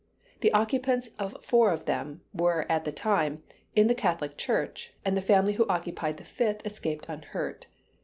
The occupants of four of them were, at the time, in the Catholic church, and the family who occupied the fifth escaped unhurt.